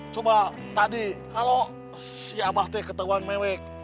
coba tadi kalau si abah teh ketahuan mewek